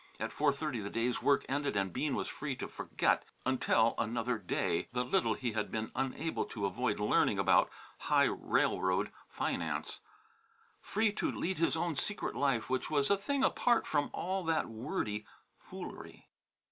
At four thirty the day's work ended and Bean was free to forget until another day the little he had been unable to avoid learning about high railroad finance; free to lead his own secret life, which was a thing apart from all that wordy foolery.